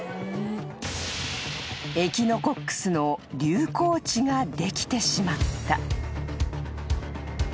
［エキノコックスの流行地ができてしまった］